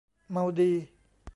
เมาดี